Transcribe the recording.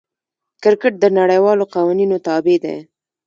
کرکټ د نړۍوالو قوانینو تابع دئ.